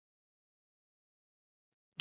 ازادي راډیو د اقلیتونه حالت ته رسېدلي پام کړی.